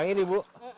yang ini bu